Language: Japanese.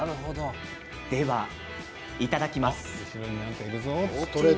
ではいただきます。